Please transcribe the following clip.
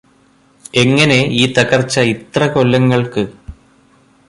എങ്ങനെ ഈ തകർച്ച ഇത്ര കൊല്ലങ്ങൾക്ക്